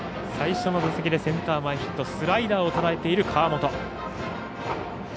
最初の打席でセンター前ヒットスライダーをとらえている川元。